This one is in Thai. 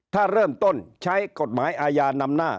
ถ้าเริ่มต้นใช้กฎหมายอาญานำหน้า